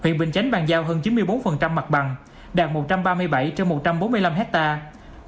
huyện bình chánh bàn giao hơn chín mươi bốn mặt bằng đạt một trăm ba mươi bảy trên một trăm bốn mươi năm hectare